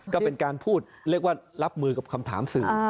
ก็เป็นการพูดเรียกว่ารับมือกับคำถามสื่อ